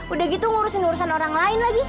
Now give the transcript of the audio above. udah gitu ngurusin urusan orang lain lagi